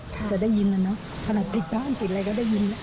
แล้วจะได้ยินแล้วเนอะขนาดติดบ้านแต่ติดอะไรก็ได้ยิน